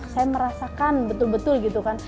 saya merasakan betul betul gitu kan